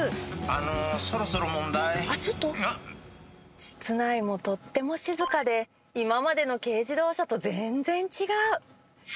あのそろそろ問題室内もとっても静かで今までの軽自動車と全然違う。